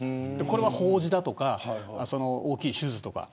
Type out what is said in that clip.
これは法事だとか、大きい手術とか。